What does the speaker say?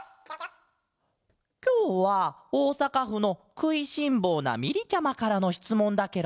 きょうはおおさかふの「くいしんぼうなみり」ちゃまからのしつもんだケロ！